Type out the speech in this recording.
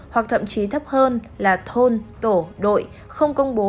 hoặc thậm chí thấp hơn là thôn tổ đội không công bố